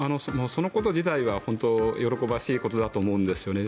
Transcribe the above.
そのこと自体は喜ばしいことだと思うんですよね。